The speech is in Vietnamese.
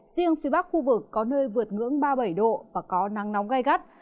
riêng phía bắc khu vực có nơi vượt ngưỡng ba mươi bảy độ và có nắng nóng gai gắt